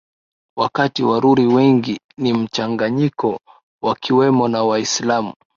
wakati Waruri wengi ni mchanganyiko wakiwemo na Waislamu